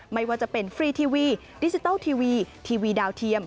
ไม่ว่าจะเป็นฟรีทีวีดิจิทัลทีวีทีวีดาวเทียม